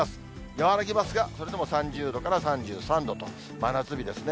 和らぎますが、それでも３０度から３３度と、真夏日ですね。